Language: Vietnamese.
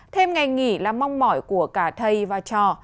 thêm ngày nghỉ là mong mỏi của cả thầy và trò